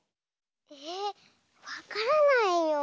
ええわからないよ。